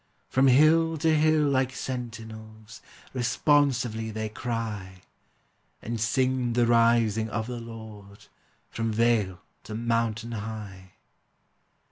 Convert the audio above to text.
From hill to hill like sentinels, Responsively they cry, And sing the rising of the Lord, From vale to mountain high.